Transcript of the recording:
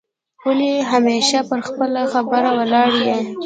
ولي همېشه پر خپله خبره ولاړ یې؟